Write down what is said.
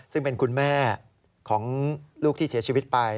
ซึ่งเป็นคุณแม่ของลูกที่เสียชีวิตไป